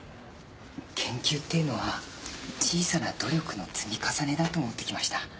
研究っていうのは小さな努力の積み重ねだと思ってきました。